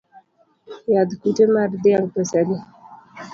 Yadh kute mar dhiang’ pesa adi?